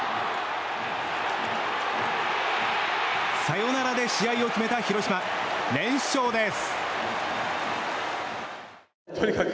サヨナラで試合を決めた広島連勝です。